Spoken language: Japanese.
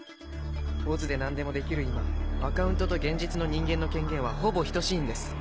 ＯＺで何でもできる今アカウントと現実の人間の権限はほぼ等しいんです。